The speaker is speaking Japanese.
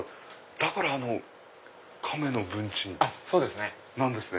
だからカメの文鎮なんですね。